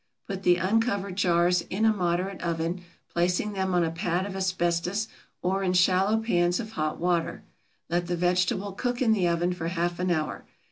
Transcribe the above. Put the uncovered jars in a moderate oven, placing them on a pad of asbestos or in shallow pans of hot water. Let the vegetable cook in the oven for half an hour.